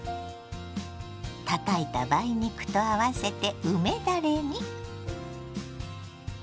たたいた梅肉と合わせて梅だれに。